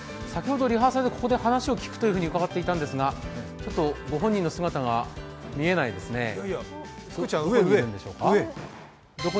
先ほどリハーサルでここで話を聞くというふうに伺っていたんですが、ちょっとご本人の姿が見えないですね。